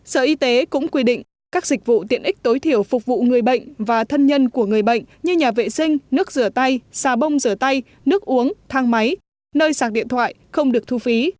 sở y tế cũng quy định các dịch vụ tiện ích tối thiểu phục vụ người bệnh và thân nhân của người bệnh như nhà vệ sinh nước rửa tay xà bông rửa tay nước uống thang máy nơi sạc điện thoại không được thu phí